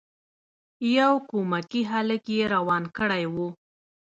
یو کمکی هلک یې روان کړی وو.